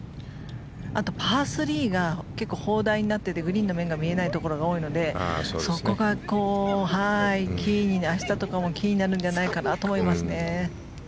あとパー３が結構砲台になっててグリーンの面が見えないところが多いのでそこが明日とかもキーになるんじゃないかと思います。